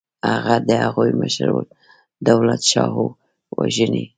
هغه د هغوی مشر دولتشاهو وژني.